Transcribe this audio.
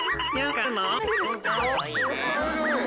「かわいい！」